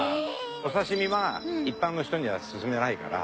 お刺身は一般の人には勧めないから。